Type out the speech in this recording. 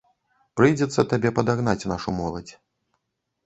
Прыйдзецца табе падагнаць нашу моладзь.